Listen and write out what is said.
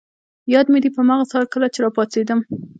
یاد مي دي، په هماغه سهار کله چي راپاڅېدم.